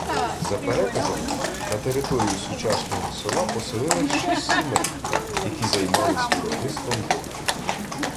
За переказами на території сучасного села поселилось шість сімей, які займались виробництвом дьогтю.